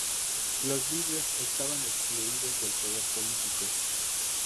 Los libios estaban excluidos del poder político.